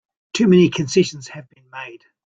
Too many concessions have been made!